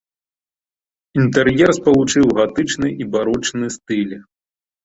Інтэр'ер спалучыў гатычны і барочны стылі.